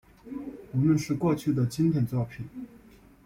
无论是过去的经典作品